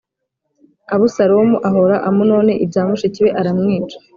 Abusalomu ahōra Amunoni ibya mushiki we, aramwica